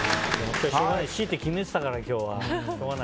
Ｃって決めてたから、今日は。